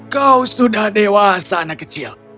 kau sudah dewasa anak kecil